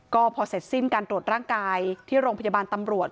ก็พอเสร็จสิ้นการตรวจร่างกายที่โรงพยาบาลตำรวจ